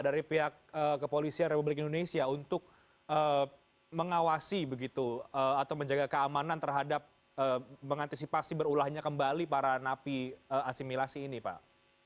dari pihak kepolisian republik indonesia untuk mengawasi begitu atau menjaga keamanan terhadap mengantisipasi berulahnya kembali para napi asimilasi ini pak